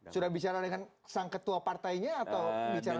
sudah bicara dengan sang ketua partainya atau bicara